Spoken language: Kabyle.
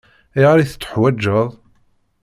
Ayɣer i t-teḥwaǧeḍ?